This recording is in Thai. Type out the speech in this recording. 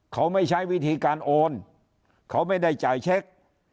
เขาไม่ใช้วิธีการโอนเขาไม่ได้จ่ายเช็ค